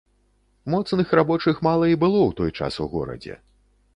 Моцных рабочых мала і было ў той час у горадзе.